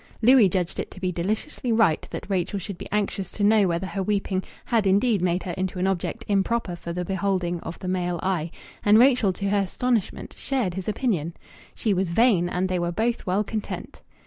Louis judged it to be deliciously right that Rachel should be anxious to know whether her weeping had indeed made her into an object improper for the beholding of the male eye, and Rachel to her astonishment shared his opinion. She was "vain," and they were both well content.